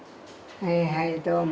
はいはいどうも。